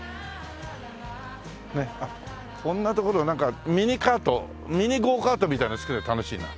こんな所ミニカートミニゴーカートみたいなの作りゃ楽しいな。